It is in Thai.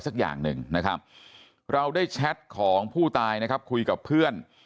สักอย่างหนึ่งนะครับเราได้แชทของผู้ตายนะครับคุยกับเพื่อน